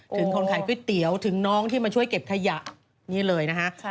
ถึงคนขายก๋วยเตี๋ยวถึงน้องที่มาช่วยเก็บขยะนี่เลยนะฮะ